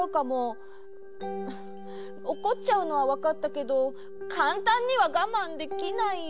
おこっちゃうのはわかったけどかんたんにはがまんできないよ。